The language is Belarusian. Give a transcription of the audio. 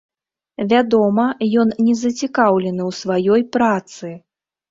Вядома, ён не зацікаўлены ў сваёй працы!